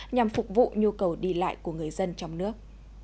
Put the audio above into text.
nhằm phục vụ nhu cầu đi lại của người dân trong nước